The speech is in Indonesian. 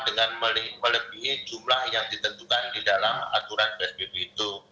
dengan melebihi jumlah yang ditentukan di dalam aturan psbb itu